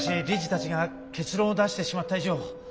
理事たちが結論を出してしまった以上